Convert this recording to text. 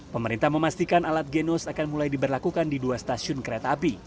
pemerintah memastikan alat genos akan mulai diberlakukan di dua stasiun kereta api